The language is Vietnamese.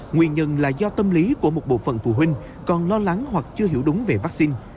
nguyên nhân là do tâm lý của một bộ phận phụ huynh còn lo lắng hoặc chưa hiểu đúng về vaccine